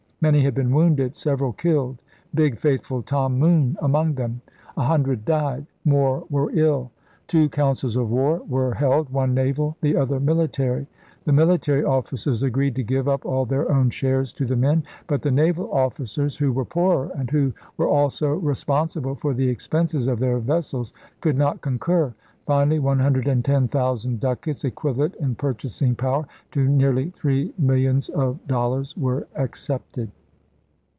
Many had been wounded, several killed — big, faithful Tom Moone among them. A hundred died. More were ill. Two councils of war were held, one naval, the other military. The military officers agreed to give up all their own shares to the men. But the naval officers, who were poorer and who were also responsible for the expenses of their vessels, could not concur. Finally 110,000 ducats (equivalent in purchasing power to nearly three millions of dollars) were accepted.